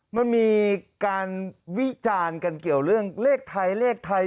มันมีการวิจารณ์กันเกี่ยวเรื่องเลขไทยเลขไทย